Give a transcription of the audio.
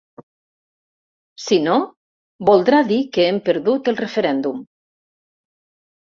Si no, voldrà dir que hem perdut el referèndum.